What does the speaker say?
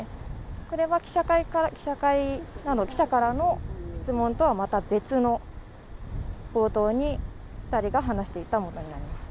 これは記者からの質問とはまた別の、冒頭に２人が話していたものになります。